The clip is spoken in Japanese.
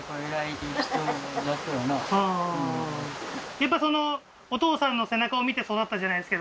やっぱりお父さんの背中を見て育ったじゃないですけど